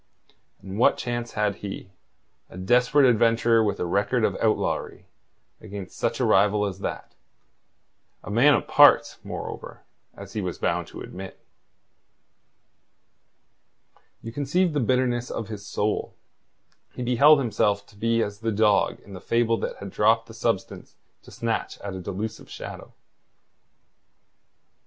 And what chance had he, a desperate adventurer with a record of outlawry, against such a rival as that, a man of parts, moreover, as he was bound to admit? You conceive the bitterness of his soul. He beheld himself to be as the dog in the fable that had dropped the substance to snatch at a delusive shadow.